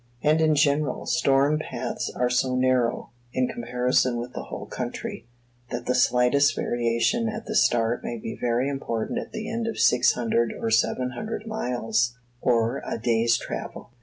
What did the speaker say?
And in general, storm paths are so narrow, in comparison with the whole country, that the slightest variation at the start may be very important at the end of six hundred or seven hundred miles or a day's travel.